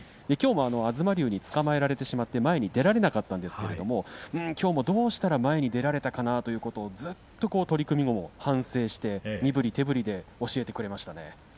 きょうも東龍につかまえられてしまって前に出られなかったんですけれどもきょうもどうしたら前に出られたかなということを取組後も反省して身ぶり手ぶりで教えてくれました。